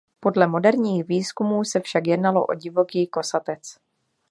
Podle moderních výzkumů se však jednalo o divoký kosatec.